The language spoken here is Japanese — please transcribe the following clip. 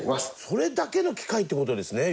それだけの機械って事ですね